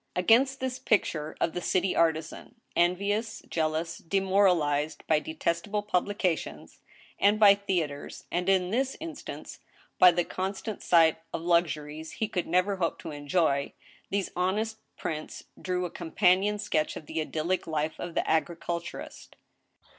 Against this picture of the city artisan, envious, jealous, demoral ized by detestable publications, and by theatres, and, in this in stance, by the constant sight of luxuries he could never hope to enjoy, these honest prints drew a companion sketch of the idyllic life of the agriculturist.